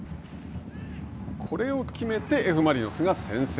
これを決めて、Ｆ・マリノスが先制。